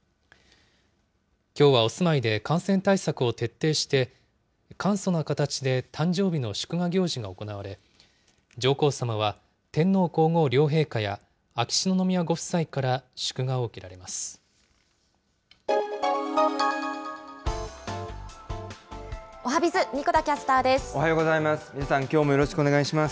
きょうはお住まいで感染対策を徹底して、簡素な形で誕生日の祝賀行事が行われ、上皇さまは天皇皇后両陛下や秋篠宮ご夫妻から祝賀を受けられます。